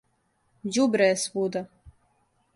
Ђубре је свуда.